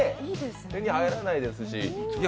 手に入らないですし。